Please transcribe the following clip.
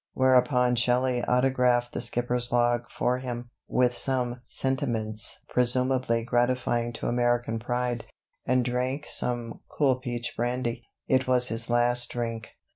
Whereupon Shelley autographed the skipper's log for him, with some sentiments presumably gratifying to American pride, and drank some "cool peach brandy." It was his last drink.